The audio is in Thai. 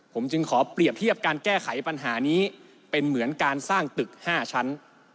ผมจึงขอเปรียบเทียบการแก้ไขปัญหานี้เป็นเหมือนการสร้างตึก๕ชั้น